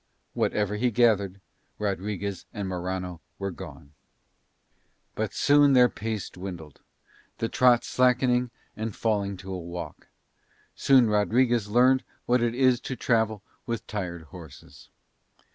Whatever he gathered, Rodriguez and Morano were gone. But soon their pace dwindled, the trot slackening and falling to a walk; soon Rodriguez learned what it is to travel with tired horses.